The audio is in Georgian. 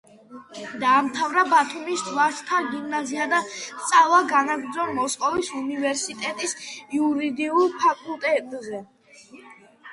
დაამთავრა ბათუმის ვაჟთა გიმნაზია და სწავლა განაგრძო მოსკოვის უნივერსიტეტის იურიდიულ ფაკულტეტზე.